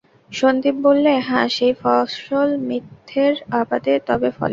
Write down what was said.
সন্দীপ বললে, হাঁ, সেই ফসল মিথ্যের আবাদে তবে ফলে।